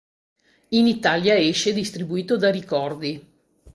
In Italia esce distribuito da Ricordi.